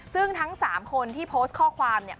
ซึ่งทั้ง๓คนที่โพสต์ข้อความเนี่ย